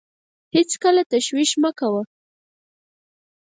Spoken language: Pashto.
هېڅکله تشویش مه کوه .